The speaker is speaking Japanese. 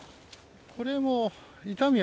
これも。